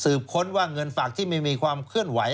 ค้นว่าเงินฝากที่ไม่มีความเคลื่อนไหว